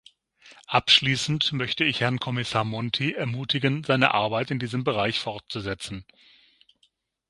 Abschließend möchte ich Herrn Kommissar Monti ermutigen, seine Arbeit in diesem Bereich fortzusetzen.